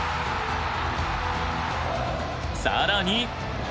更に。